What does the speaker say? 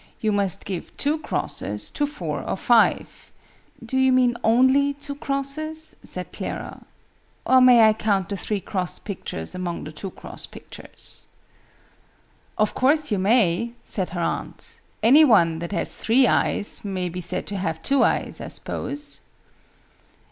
You must give two crosses to four or five " "Do you mean only two crosses?" said Clara. "Or may I count the three cross pictures among the two cross pictures?" "Of course you may," said her aunt. "Any one, that has three eyes, may be said to have two eyes, I suppose?"